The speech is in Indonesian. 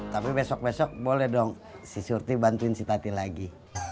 tapi besok besok boleh dong si surti bantuin si tati lagi